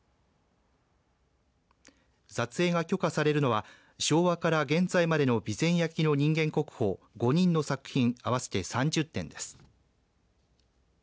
撮影が許可されるのは昭和から現在までの備前焼の人間国宝５人の作品合わせて３０点です。